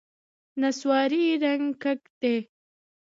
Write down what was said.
نسواري رنګ کږ دی.